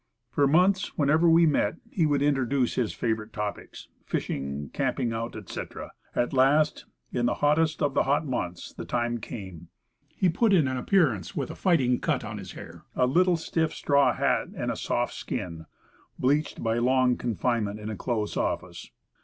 For months, whenever we met, he would introduce his favorite topics, fishing, camping out, etc. At last in the hottest of the hot months, the time came. He put in an appearance with a fighting cut on his hair, a little Stiff straw hat, and a soft skin, bleached by long confinement in a close office.